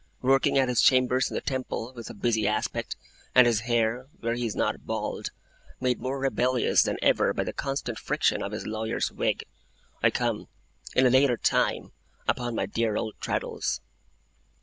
Working at his chambers in the Temple, with a busy aspect, and his hair (where he is not bald) made more rebellious than ever by the constant friction of his lawyer's wig, I come, in a later time, upon my dear old Traddles.